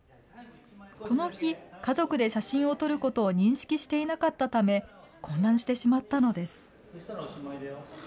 この日、家族で写真を撮ることを認識していなかったため、混乱してしまったのです。